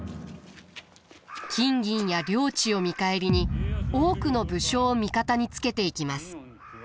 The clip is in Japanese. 金銀や領地を見返りに多くの武将を味方につけていきます。